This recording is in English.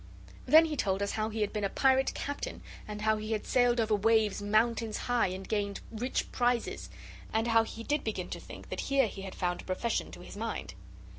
Then he told us how he had been a pirate captain and how he had sailed over waves mountains high, and gained rich prizes and how he did begin to think that here he had found a profession to his mind.